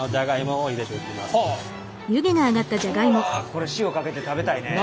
これ塩かけて食べたいね。